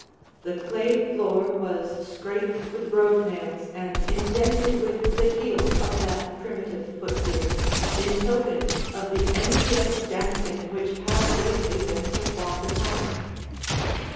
The clay floor was scraped with brogue nails and indented with the heel of that primitive foot gear, in token of the energetic dancing which had lately been performed upon it.